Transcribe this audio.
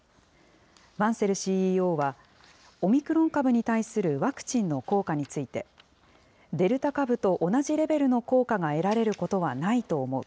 バンセルＣＥＯは、オミクロン株に対するワクチンの効果について、デルタ株と同じレベルの効果が得られることはないと思う。